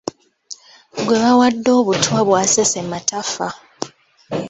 Gwe bawadde obutwa bw’asesema tafa.